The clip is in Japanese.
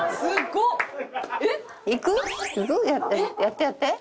やってやって。